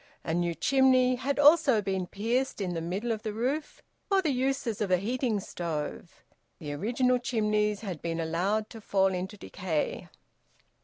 A new chimney had also been pierced in the middle of the roof, for the uses of a heating stove. The original chimneys had been allowed to fall into decay.